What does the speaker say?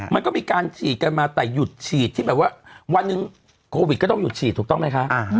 มันก็มีการฉีดกันมาแต่หยุดฉีดที่แบบว่าวันหนึ่งโควิดก็ต้องหยุดฉีดถูกต้องไหมคะ